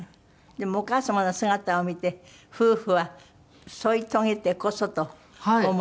でもお母様の姿を見て夫婦は添い遂げてこそとお思いになる？